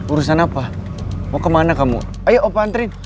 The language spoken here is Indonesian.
urusan apa mau kemana kamu ayo oba anterin